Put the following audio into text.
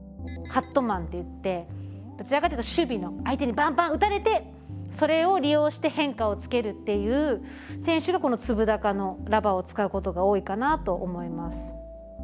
カットマンっていってどちらかというと守備の相手にバンバン打たれてそれを利用して変化をつけるっていう選手がこの粒高のラバーを使うことが多いかなと思います。